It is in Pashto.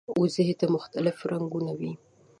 وزې د مختلفو رنګونو وي